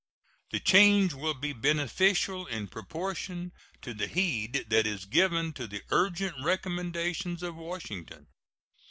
The change will be beneficial in proportion to the heed that is given to the urgent recommendations of Washington.